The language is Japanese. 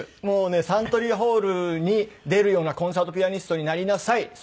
もうね「サントリーホールに出るようなコンサートピアニストになりなさい」